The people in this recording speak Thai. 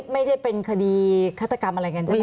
ไม่ได้เป็นคดีฆาตกรรมอะไรกันใช่ไหม